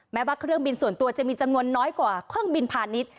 แม้ว่าเครื่องบินส่วนตัวจะมีจำนวนน้อยกว่าเครื่องบินพาณิชย์